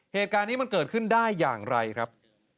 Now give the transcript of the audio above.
เหตุการณ์นี้มันเกิดขึ้นได้อย่างไรครับ